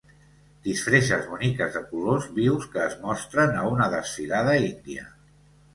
Disfresses boniques de colors vius que es mostren a una desfilada índia.